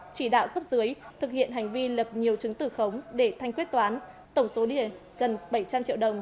chỉ đạo cấp dưới thực hiện hành vi lập nhiều chứng từ khống để thanh quyết toán tổng số tiền gần bảy trăm linh triệu đồng